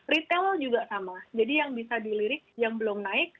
retail juga sama jadi yang bisa dilirik yang belum naik